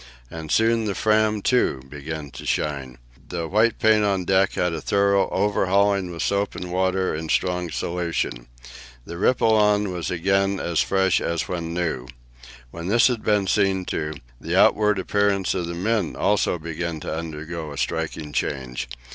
And soon the Fram, too, began to shine. The white paint on deck had a thorough overhauling with soap and water in strong solution. The Ripolin was again as fresh as when new. When this had been seen to, the outward appearance of the men also began to undergo a striking change.